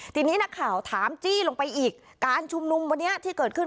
ทีนี้นักข่าวถามจี้ลงไปอีกการชุมนุมวันนี้ที่เกิดขึ้น